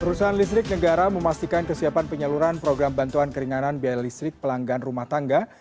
perusahaan listrik negara memastikan kesiapan penyaluran program bantuan keringanan biaya listrik pelanggan rumah tangga